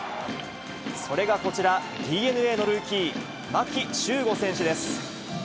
それがこちら、ＤｅＮＡのルーキー、牧秀悟選手です。